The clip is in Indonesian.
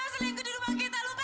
tadi nyari obat nyamuk